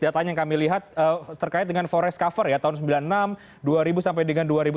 data yang kami lihat terkait dengan forest cover tahun seribu sembilan ratus sembilan puluh enam dua ribu sampai dengan dua ribu sembilan